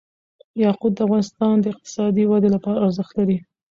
یاقوت د افغانستان د اقتصادي ودې لپاره ارزښت لري.